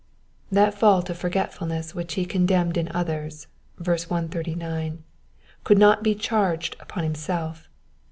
^^ That fault of forgetfulness which he condemned in others (verse 139) could not be charged upon himself.